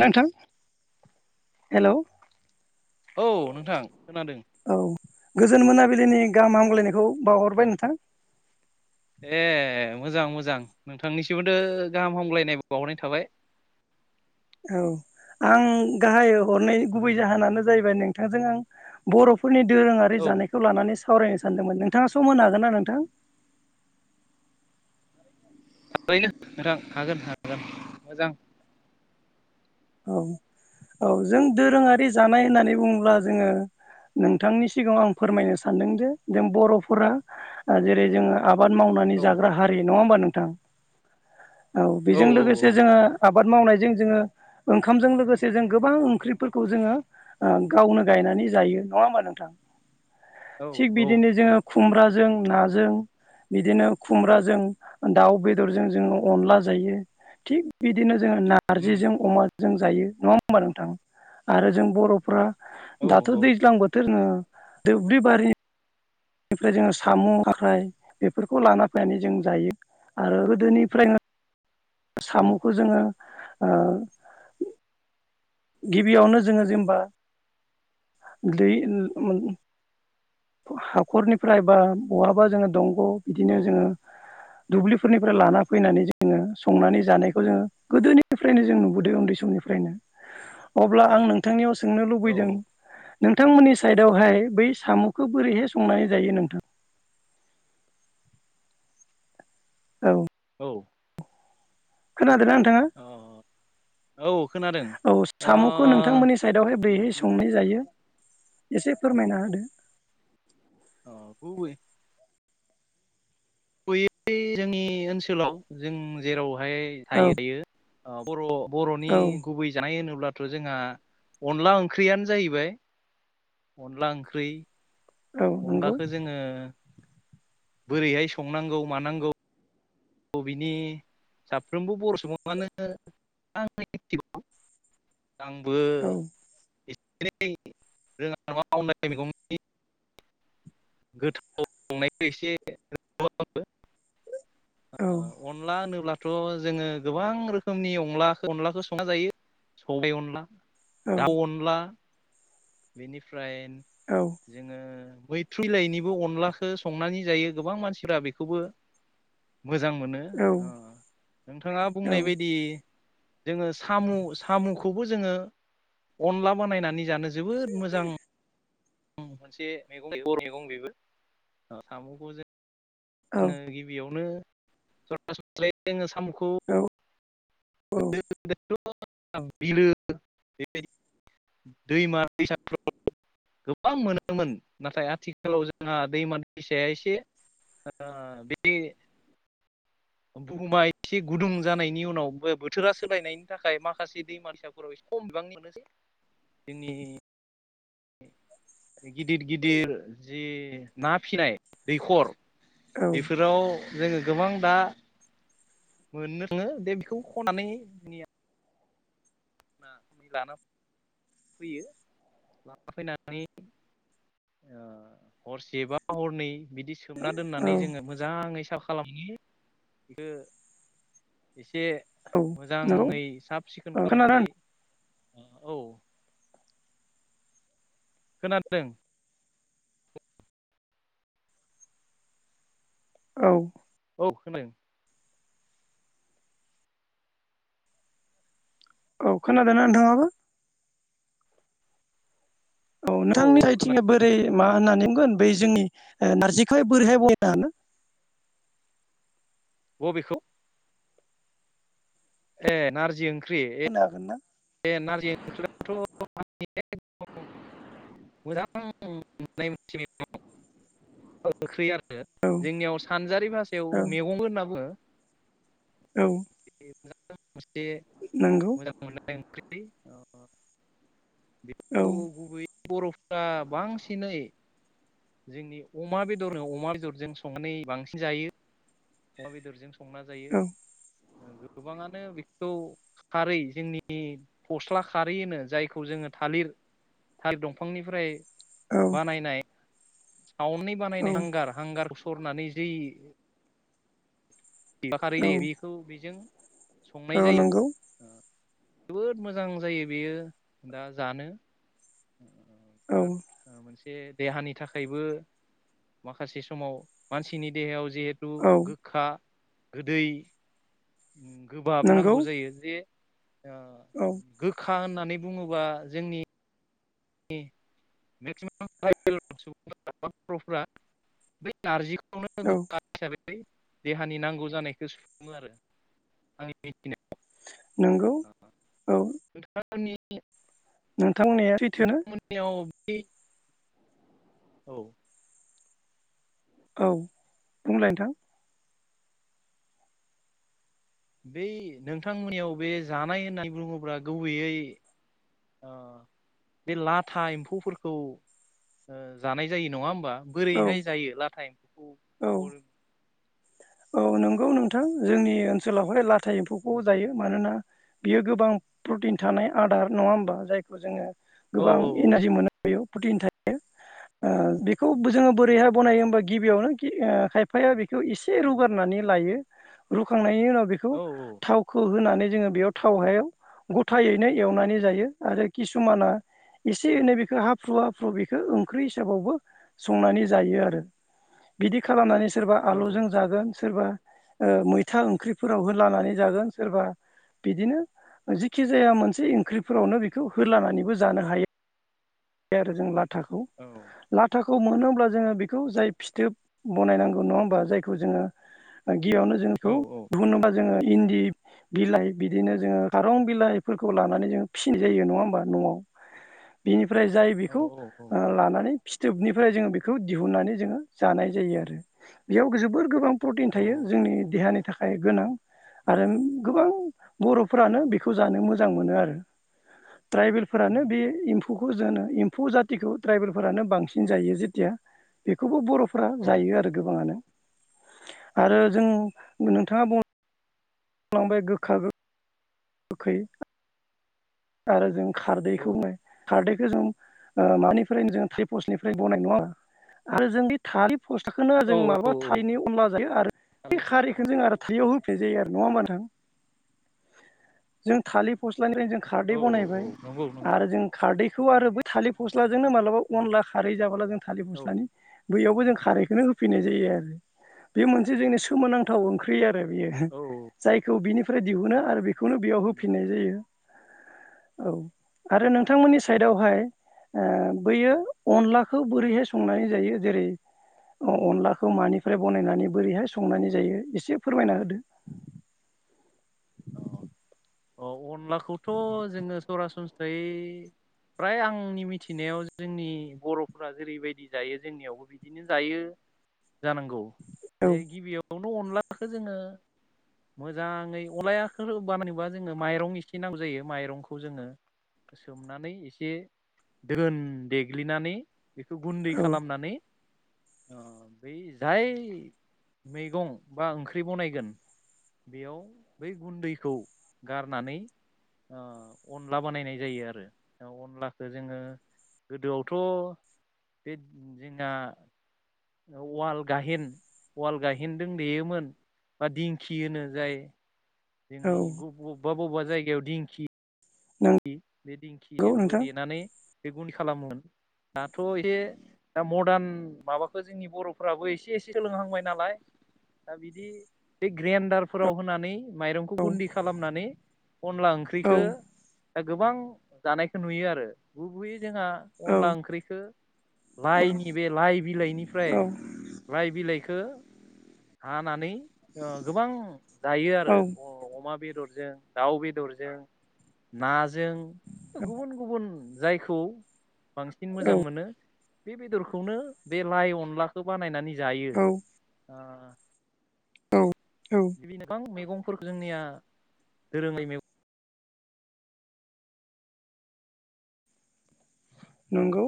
नोंथां हेल' औ औ नोंथां खोनादों औ गोजोन मोना बिलिनि गाहाम हामग्लायनायखौ बावहरबाय नोंथां ए मोजां मोजां नोंथांनिसिमबोथ' गाहाम हामग्लायनायबो बावहरनाय थाबाय। औ आं गाहाय हरनाय गुबै जाहोनानो जाहैबाय नोंथांजों आं बर'फोरनि दोरोङारि औ जानायखौ लानानै सावरायनो सानदोंमोन नोंथाङा सम होनो हागोन ना नोंथां थारैनो नोंथां हागोन हागोन मोजां औ औ जों दोरोङारि जानाय होननानै बुङोब्ला जोङो नोंथांनि सिगाङाव आं फोरमायनो सानदों जे जों बर'फोरा जेरै जोङो आबाद मावनानै औ जाग्रा हारि नङा होमबा नोंथां औ बेजों औ लोगोसे औ जोङो आबाद मावनायजों जोङो ओंखामजों लोगोसे जों गोबां ओंख्रिफोरखौ जोङो ओ गावनो गायनानै जायो नङा होमबा नोंथां थिग औ बिदिनो औ औ जोङो खुमब्रा जों नाजों बिदिनो खुमब्राजों दाउ बेदरजों जोङो अनला जायो थिग बिदिनो जोङो उम नारजिजों जों जायो नङा होमबा नोंथां आरो जों बर'फ्रा औ दाथ' दैज्लां बोथोर ओ दुब्लि बारि बेनिफ्राय जोङो साम' खाख्राय बेफोरखौ लाना फैनानै जों जायो आरो गोदोनिफ्रायनो औ साम'खौ जोङो आ गिबियावनो जोङो जेनेबा दै [unintelligible] हाखरनिफ्राय बा बहाबा जोङो दंग' बिदिनो जोङो दुब्लिफोरनिफ्राय लाना फैनानै जोङो संनानै जानायखौ जोङो गोदोनिफ्रायनो जों नुबोदों उन्दै समनि फ्रायनो अब्ला आं नोंथांनियाव सोंनो औ लुबैदों नोंथांमोननि साइदावहाय बै सामु खौ बोरैहाय संनानै जायो नोंथां औ औ खोनादों अ औ खोनादों औ साम'खौ अ नोंथांमोननि साइदावहाय बोरैहाय अ संनाय जायो एसे फोरमायना होदो औ खोनादों गुबैयै जोंनि ओनसोलाव जों जेरावहाय औ थायो थायो बर' बर'नि औ गुबै जानाय होनोब्ला थ' जोंहा अनला ओंख्रियानो जाहैबाय अनला ओंख्रि औ नंगौ अनलाखौ जोङो बोरैहाय संनांगौ मानांगौ बिनि साफ्रोमबो बर' सुबुङानो एभ आंबो औ एसे एनै रोङा मावनायिखौ गोथावनायखौ एसेबो औ अनला नुला थ' जोङो गोबां रोखोमनि अनला अनलाखौ संना जायो सबायाइ अनला औ दाउ अनला बेनिफ्राय औ जोङो मैथ्रुलइनिबो अनलाखौ संनानै जायो गोबां मानसिफ्रा बेखौबो मोजां मोनो नोंथाङा बुंनाय बायदि जोङो साम' साम'खौबो जोङो अनला बानायनानै जानो जोबोद मोजां मोनसे मैगंगर मैगं बेबो साम'खौ जों औ जोङो गिबियावनो [unintelligible] जोङो सामुखौ औ [unintelligible] बिलो बेबायदि दैमा दैसाफ्राव गोबां मोनोमोन नाथाय आथिखालाव जोंहा दैमा दैसाया एसे आ बिदि बुहुमा एसे गुदुं जानायनि उनाव बोथोरा सोलायनायनि थाखाय माखासे दैमानिसाफोरावसे खम बिबां लनोसै दिनै गिदिर गिदिर जि ना फिनाय दैखर औ बेफोराव जोङो गोबां दा मोननो थाङो दे बेखौ खनानै जोंनिया लाना फैयो लाना फैनानै हरसेबा हरनै बिदि सोमना औ दोननानै जोङो मोजाङै सा खालामो बेखौ एसे एसे औ नंगौ मोजाङै साब सिखोन औ खोनादों खालामनानै औ खोनादों औ औ खोनादों अ खोनदों ना नोंथाङाबो औ नोंथांनि थाइथिंआ बोरै मा होननानै बै जोंनि नारजिखौहाय बोरैहाय बनायनो हानो बबेखौ ए नारजि ओंख्रि होनो हागोन ना बे नारजि ओंख्रिथ' आंनि एखदम मोजां मोननाय मोनसे ओंख्रै आरो ना औ जोंनियाव सानजारि औ भाषायाव मेगंबो होनना बुङो औ [unintelligible] नंगौ मोजां मोननाय ओंख्रि औ बेखौ‌ बर'फ्रा बांसिनै जोंनि अमा बेदर अमा बेदरजों संनानै बांसिन जायो अमा बेदरजों संना जायो औ गोबाङानो बेखौ खारै जोंनि फस्ला खारै होनो जायखौ जोङो थालिर थालिर दंफांनिफ्राय औ बानायनाय सावनानै औ बानायनाय हांगार हांगारखौ सरनानै जि बा खारै जायो बेखौ बेजों संनाय औ जायो नंगौ जोबोद मोजां जायो बेयो दा जानो औ बिराद मोनसे बे देहानि थाखायबो माखासे समाव मानसिनि देहायाव जिहेथु औ गोखा गोदै गोबाब नंगौ नांगौ जायो जे औ गोखा होननानै होननानै बुङोबा जोंनि मेक्सिमाम ट्राइबेल्ट सुबुंफोरा बा बर'फोरा बै नारजिखौ [unintelligible] औ गोखा हिसाबै देहानि नांगौ जानायखौ सुफुङो आरो आंनि मिथिनायाव नंगौ औ फोरनि नोंथां बुंनाया सैथोआनो नोंथांमोननियाव औ औ बुंलाय नोंथां बै नोंथांमोननियाव बे जानाय होननानै बुङोब्ला गुबैयै ओ बे लाथा एम्फौफोरखौ ओ जानाय जायो नङा होमबा औ बोरैहाय जायो लाथा एमफौ औ औ नंगौ नोंथां जोंनि ओनसोलावहाय लाथा एम्फौखौ जायो मानोना बियो गोबां प्रटिन थानाय आदार नङा होमबा जायखौ जोङो औ गोबां एनारजि मोननो हायो प्रटिन थायो औ ओ बेखौ जोङो बोरैहाय बानायो होमबा गिबियावनो खायफाया बे बेखौ एसे रुगारनानै लायो रुखांनायनि उनाव बेखौ औ थावखौ होनानै जोङो बेयाव थाव हायाव गथायैनो एवनानै जायो आरो किसुमाना एसे एनै बेखौ हाफ्रु हाफ्रु बेखौ ओंख्रि हिसाबावबो संनानै जायो आरो बिदि खालामनानै सोरबा औ आलुजों जागोन सोरबा मैथा ओंख्रिफोराव होलानानै जागोन सोरबा बिदिनो जेखि जाया मोनसे ओंख्रिफोरावनो बेखौ होलानानैबो जानो हायो आरो जों लाथाखौ औ लाथाखौ खौ मोनोब्ला जोङो बेखौ जाय फिथोब बनायनांगौ नङा होमबा जायखौ जोङो गिबियावनो औ जोंखौ बेखौ दिहुननोबा जोङो इन्दि बिलाइ बिदिनो जोङो खारं बिलाइफोरखौ लानानै जोङो फिसिनाय जायो नङा होमबा न'वाव बिनिफ्राय जाय औ बेखौ लानानै फिथोबनिफ्राय जोङो बेखौ दिहुननानै जोङो जानाय जायो आरो बेयाव जोबोर गोबां प्रटिन थायो जोंनि देहानि थाखाय गोनां आरो गोबां बर'फ्रानो बेखौ जानो मोजां मोनो आरो ट्राइबेलफोरानो बे एम्फौखौ जोङो एम्फौ जाथिखौ ट्राइबेलफोरानो बांसिन जायो जेथिया बेखौबो बर' फोरा जायो आरो गोबाङानो आरो जों नोंथाङा बुं लांबाय गोखा गो खै आरो जों औ खारदैखौ खारै जों माबफ्रायनो जों थालिर पस्लनिफ्राय [unintelligible] बनाय नङा आरो जोंनि फस्लखौनो माबा औ थालिरनि अनला जायो [unintelligible] आरो बे थालिर खारैखौनो फस्लानिफ्राय जों आरो थालिरआव [unintelligible] होफैनाय जायो नङा होमबा नोंथां जों थालिर फस्लानिफ्रायनो जों खारदै औ औ बानायबाय औ नंगौ नंगौ आरो जों खारदै खौ आरो बे थालिर फस्लाजोंनो मालाबा अनला खारै जाबोला जों थालिर औ फस्लानि बैयावबो जों खारैखौनो होफिननाय जायो आरो बे मोनसे जोंनि सोमोनांथाव ओंख्रि आरो बियो औ जायखौ बिनि दिहुनो आरो बेखौनो बेयाव उम होफिननाय जायो। औ आरो नोंथांमोननि साइदआवहाय ओ बैयो अनलाखौ बोरैहाय संनानै जायो जेरै अनलाखौ मानिफ्राय बनायनानै बोरैहाय संनानै जायो एसे फोरमायना होदो? [inaudible] अ [inaudible] अ अनलाखौथ' जोङो सरासनस्रायै फ्राय आंनि मिथिनायाव जोंनि बर'फोरा जेरैबायदि जायो जोंनियावबो बिदिनो जायो। जानांगौ औ जे गिबियावनो अनलाखौ जोङो मोजाङै अनलायाखो बानायोबा जोङो माइरं इसे नांगौ जायो माइरंखौ जोङो सोमनानै एसे दोन देग्लिनानै बेखौ गुन्दै औ खालामनानै बै जाय मैगं बा ओंख्रि बनायगोन। बेयाव बै गुन्दैखौ गारनानै अनला बानायनाय जायो आरो अनलाखौ जोङो गोदोआवथ' बे जोंना उवाल गाहेन उवाल गाहेन जों देयोमोन। बा दिंखि होनो जाय औ जोंनि बबेबा बबेबा जायगायाव दिंखि नंगौ दिखिं बे दिंखिजोंबो नोंथां देनानै बे गुनदै खालामोन दाथ' एसे दा मदार्न माबाखौ जोंनि बर'फोराबो एसे एसे सोलोंहांबाय नालाय दा बिदि बे ग्रेन्डारफोराव होनानै माइरंखौ औ गुदि खालामनानै अनला औ ओंख्रिखौ दा गोबां जानायखौ नुयो आरो गुबयै जोंहा औ अनला ओंख्रिखौ औ लाइनि बे लाइ बिलाइनिफ्राय औ लाइ बिलाइखौ हानानै गोबां जायो आरो औ अमा बे दरजों दाउ बेदरजों नाजों गुबुन गुबुन जायखौ बांसिन मोजां औ मोनो। बे बेदरखौनो बे लाइ अनलाखौ बानायनानै जायो। औ औ बिदिनो गोबां मैगंफोरखौ जोंनिया दोरोङै मैगं नंगौ